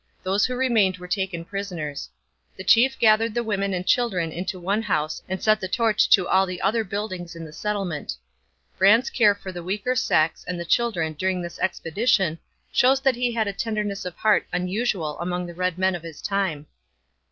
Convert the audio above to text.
Those who remained were taken prisoners. The chief gathered the women and children into one house and set the torch to all the other buildings in the settlement. Brant's care for the weaker sex and the children during this expedition shows that he had a tenderness of heart unusual among the red men of his time.